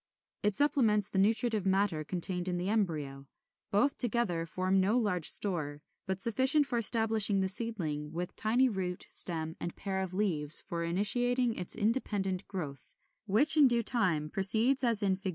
It supplements the nutritive matter contained in the embryo. Both together form no large store, but sufficient for establishing the seedling, with tiny root, stem, and pair of leaves for initiating its independent growth; which in due time proceeds as in Fig.